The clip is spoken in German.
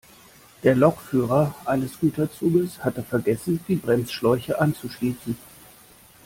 Der Lokführer eines Güterzuges hatte vergessen, die Bremsschläuche anzuschließen.